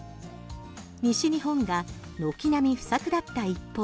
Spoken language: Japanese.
西日本が軒並み不作だった一方